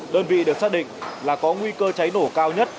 đơn vị được xác định là có nguy cơ cháy nổ cao nhất